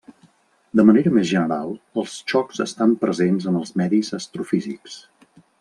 De manera més general els xocs estan presents en els medis astrofísics.